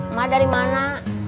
emak dari mana